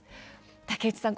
竹内さん